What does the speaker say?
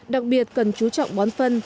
đặc biệt cần chú trọng bón phân